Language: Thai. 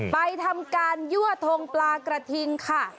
ไปทำการยั่วทงปลากระทิงค่ะ